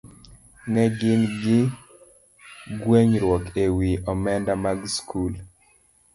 ne gin gi gwenyruok e wi omenda mag skul.